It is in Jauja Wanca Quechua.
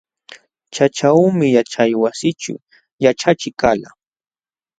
Chaćhuumi yaćhaywasićhu yaćhachiq kalqa.